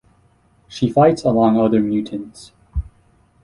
She fights along other mutants.